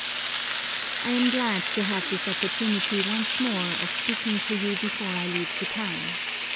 I am glad to have this opportunity once more of speaking to you before I leave Japan.